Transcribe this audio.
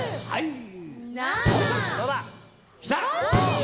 はい。